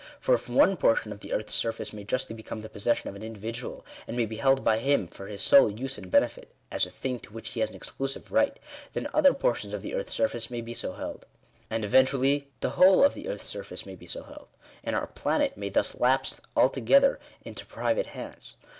For if y one portion of the earth's surface may justly become the possession of an individual, and may be held by him for his sole use and benefit, as a thing to which he has an exclusive right, then other portions of the earth's surface may be so held ; and eventually the whole of the earth's surface may be so held ; and our planet may thus lapse altogether into private hands.